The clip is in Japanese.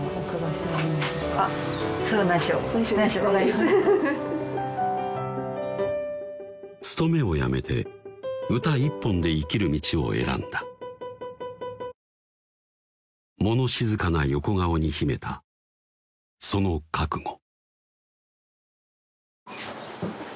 あっそれは内緒勤めを辞めて歌一本で生きる道を選んだ物静かな横顔に秘めたその覚悟